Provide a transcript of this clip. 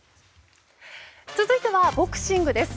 続いてはボクシングです。